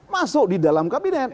masuk di dalam kabinet